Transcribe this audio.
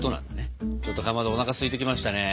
ちょっとかまどおなかすいてきましたね。